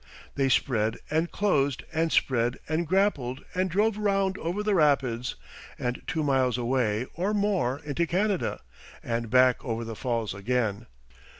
They spread and closed and spread and grappled and drove round over the rapids, and two miles away or more into Canada, and back over the Falls again.